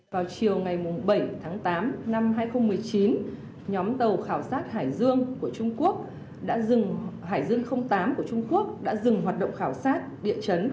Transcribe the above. vào chiều ngày bảy tháng tám năm hai nghìn một mươi chín nhóm tàu khảo sát hải dương tám của trung quốc đã dừng hoạt động khảo sát địa chấn